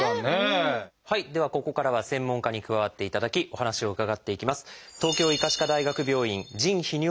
ではここからは専門家に加わっていただきお話を伺っていきます。